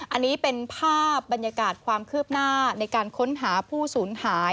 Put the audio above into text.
อันนี้เป็นภาพบรรยากาศความคืบหน้าในการค้นหาผู้สูญหาย